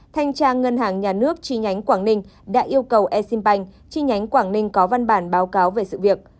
thanh tra ngân hàng nhà nước chi nhánh quảng ninh đã yêu cầu exim bank chi nhánh quảng ninh có văn bản báo cáo về sự việc